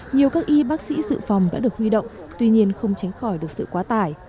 nhiều các y bác sĩ dự phòng đã được huy động tuy nhiên không tránh khỏi được sự quá tải